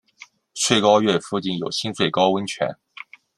穗高岳附近有新穗高温泉。